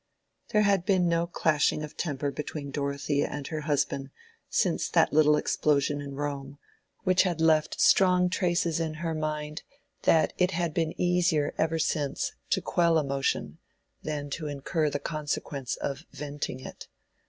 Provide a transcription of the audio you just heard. There had been no clashing of temper between Dorothea and her husband since that little explosion in Rome, which had left such strong traces in her mind that it had been easier ever since to quell emotion than to incur the consequence of venting it.